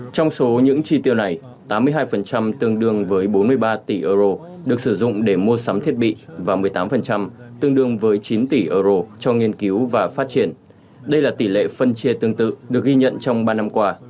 trong số những chi tiêu này tám mươi hai tương đương với bốn mươi ba tỷ euro được sử dụng để mua sắm thiết bị và một mươi tám tương đương với chín tỷ euro cho nghiên cứu và phát triển đây là tỷ lệ phân chia tương tự được ghi nhận trong ba năm qua